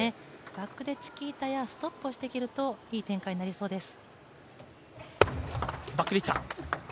バックでチキータやストップをできるといい展開になりそうです。